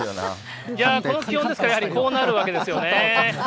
いやー、この気温ですから、やはりこうなるわけですよね。